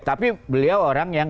tapi beliau orang yang